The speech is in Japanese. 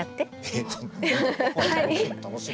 はい。